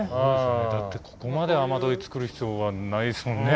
だってここまで雨どい作る必要はないですもんね